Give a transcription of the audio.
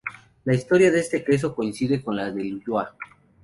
La historia de este queso coincide con la del Ulloa.